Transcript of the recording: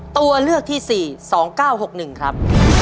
ตัวเลือกที่๔๒๙๖๑ครับ